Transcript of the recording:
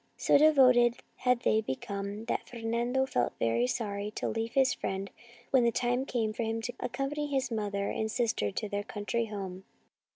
So devoted had they become that Fernando felt very sorry to leave his friend when the time came for him to accompany his mother and sister to their country home.